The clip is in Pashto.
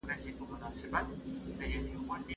خبري د زده کوونکي له خوا کيږي!